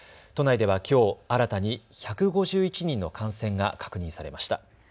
都内ではきょう、新たに１５１人の感染が確認されました。